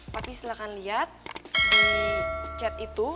tapi silahkan lihat di chat itu